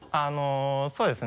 そうですね